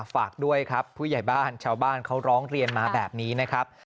ฝากด้วยครับผู้ใหญ่บ้านชาวบ้านเขาร้องเรียนมาแบบนี้นะครับ